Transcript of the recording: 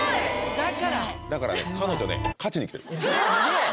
だからだからね彼女ね勝ちに来てるスゲえ！